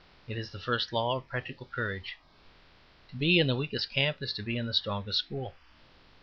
It is the first law of practical courage. To be in the weakest camp is to be in the strongest school.